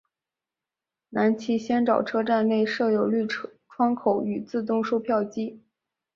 南气仙沼车站内设有绿窗口与自动售票机。